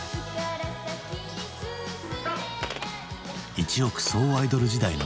一億総アイドル時代の到来。